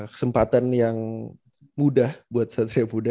kesempatan yang mudah buat satria muda